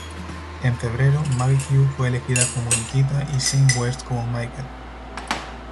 En febrero, Maggie Q fue elegida como Nikita y Shane West como Michael.